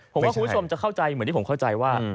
ผมว่าคุณผู้ชมจะเข้าใจเหมือนที่ผมเข้าใจว่า